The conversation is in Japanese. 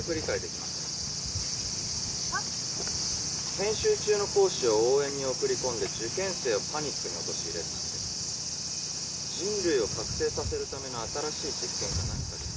研修中の講師を応援に送り込んで受験生をパニックに陥れるなんて人類を覚醒させるための新しい実験か何かですか？